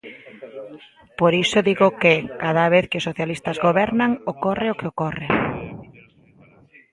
Por iso digo que, cada vez que os socialistas gobernan, ocorre o que ocorre.